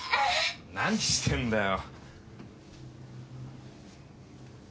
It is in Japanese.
何してんだよ。